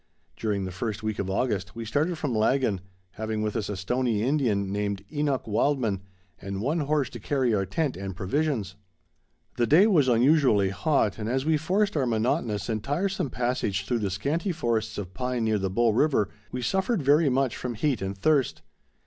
During the first week of August, we started from Laggan, having with us a Stoney Indian, named Enoch Wildman, and one horse to carry our tent and provisions. The day was unusually hot, and, as we forced our monotonous and tiresome passage through the scanty forests of pine near the Bow River, we suffered very much from heat and thirst.